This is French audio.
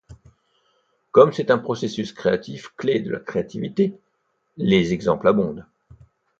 Comme c'est un processus créatif clé de la créativité, les exemples abondent.